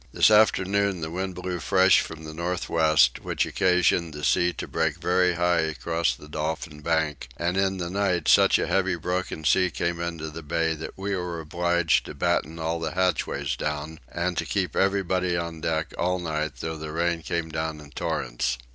This afternoon the wind blew fresh from the north west, which occasioned the sea to break very high across the Dolphin bank; and in the night such a heavy broken sea came into the bay that we were obliged to batten all the hatchways down, and to keep everybody upon deck all night though the rain came down in torrents.